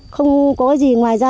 không có gì ngoài ra